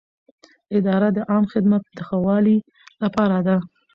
اداره د عامه خدمت د ښه والي لپاره ده.